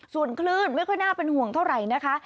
ส่วนคลื่นไม่ค่อยน่าเป็นห่วงเท่าไหร่นะคะ